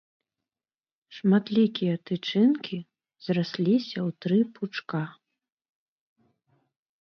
Шматлікія тычынкі зрасліся ў тры пучка.